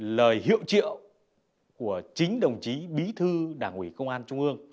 lời hiệu triệu của chính đồng chí bí thư đảng ủy công an trung ương